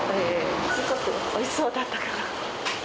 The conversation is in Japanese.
すごくおいしそうだったから。